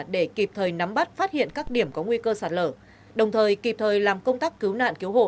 để kịp thời nắm bắt phát hiện các điểm có nguy cơ sạt lở đồng thời kịp thời làm công tác cứu nạn cứu hộ